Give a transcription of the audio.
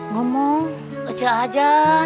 gak mau beca aja